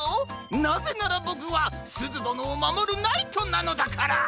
なぜならボクはすずどのをまもるナイトなのだから！